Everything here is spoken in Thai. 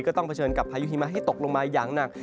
ต้องเผชิญกับพายุหิมะให้ตกลงมาอย่างหนัก